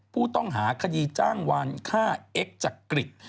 ผู้ต้องหาคดีจ้างวานฆ่าเอ็กซ์จักริต